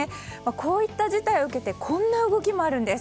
こういった事態を受けてこんな動きもあるんです。